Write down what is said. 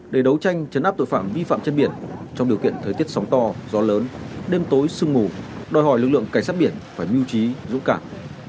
để đấu tranh chấn áp tội phạm vi phạm trên biển trong điều kiện thời tiết sóng to gió lớn đêm tối sương mù đòi hỏi lực lượng cảnh sát biển phải mưu trí dũng cảm